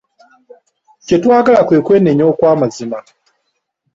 Kye twagala kwe kwenenya okw'amazima.